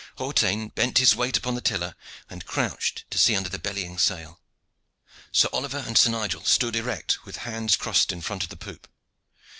Hawtayne bent his weight upon the tiller, and crouched to see under the bellying sail. Sir Oliver and Sir Nigel stood erect with hands crossed in front of the poop.